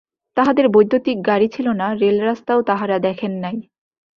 তাঁহাদের বৈদ্যুতিক গাড়ী ছিল না, রেলরাস্তাও তাঁহারা দেখেন নাই।